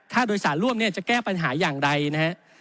ถ้าโดยสารร่วมเนี่ยจะแก้ปัญหาอย่างไรนะฮะ